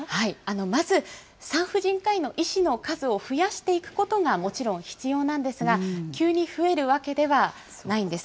まず、産婦人科医の医師の数を増やしていくことがもちろん必要なんですが、急に増えるわけではないんです。